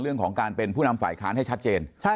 เรื่องของการเป็นผู้นำฝ่ายค้านให้ชัดเจน